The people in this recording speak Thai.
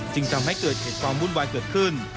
ทำให้เกิดเหตุความวุ่นวายเกิดขึ้น